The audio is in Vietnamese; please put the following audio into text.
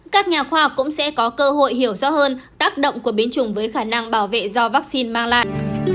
các nhà khoa học cũng sẽ có cơ hội hiểu rõ hơn tác động của biến chủng với khả năng bảo vệ do vaccine mang lại